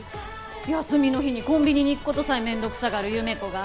休みの日にコンビニに行くことさえ面倒くさがる優芽子が？